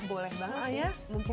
boleh banget sih